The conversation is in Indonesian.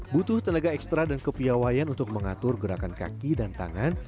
butuh tenaga ekstra dan kepiawayan untuk mengatur gerakan kaki dan tangan